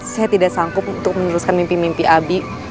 saya tidak sanggup untuk meneruskan mimpi mimpi abi